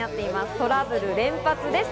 トラブル連発です。